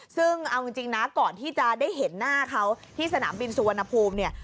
ซึ่งเอาจริงนะก่อนที่จะได้เห็นหน้าเขาที่สนามบินสุวรรณภูมิเนี่ย